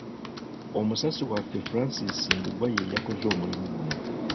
Omusasi waffe Francis Ndugwa yeyakoze omulimu guno.